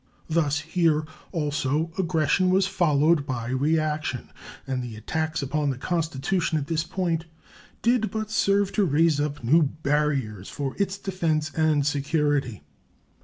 Thus here also aggression was followed by reaction, and the attacks upon the Constitution at this point did but serve to raise up new barriers for its defense and security.